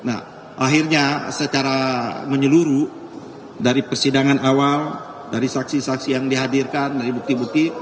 nah akhirnya secara menyeluruh dari persidangan awal dari saksi saksi yang dihadirkan dari bukti bukti